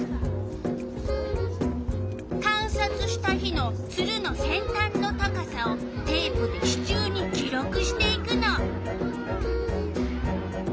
観察した日のツルの先端の高さをテープで支柱に記録していくの。